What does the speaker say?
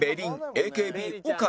ＡＫＢ 岡部